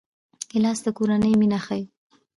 ګیلاس د کورنۍ مینه ښيي.